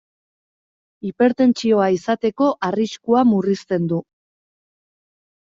Hipertentsioa izateko arriskua murrizten du.